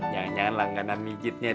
jangan jangan lah gak nanggap mijitnya nih